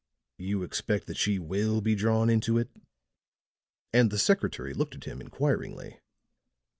"You expect that she will be drawn into it?" and the secretary looked at him inquiringly.